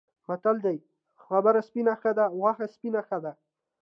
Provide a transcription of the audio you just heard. متل دی: خبره سپینه ښه ده، غوښه پسینه ښه ده.